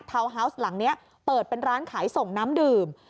ฮาวส์หลังนี้เปิดเป็นร้านขายส่งน้ำดื่ม